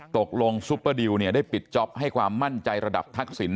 ซุปเปอร์ดิวเนี่ยได้ปิดจ๊อปให้ความมั่นใจระดับทักษิณ